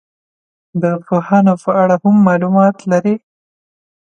د پوهانو په اړه هم معلومات لري.